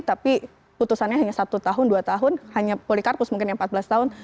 tapi putusannya hanya satu tahun dua tahun hanya polikarpus mungkin yang empat belas tahun